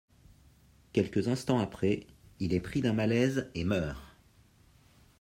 Quelques instants après, il est pris d'un malaise et meurt.